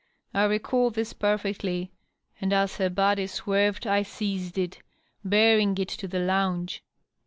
I recall this perfectly, and as her body swerved I seized it, bearing it to the lounge.